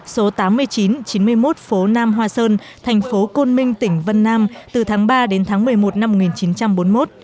số tám nghìn chín trăm chín mươi một phố nam hoa sơn thành phố côn minh tỉnh vân nam từ tháng ba đến tháng một mươi một năm một nghìn chín trăm bốn mươi một